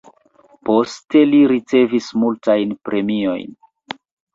Poste li ricevis multajn premiojn.